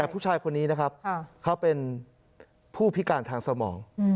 แต่ผู้ชายคนนี้นะครับเขาเป็นผู้พิการทางสมอง